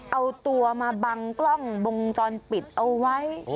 เอาตัวมาบังกล้องวงจรปิดเอาไว้